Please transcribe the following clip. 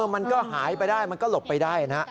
มันก็หายไปได้มันก็หลบไปได้นะ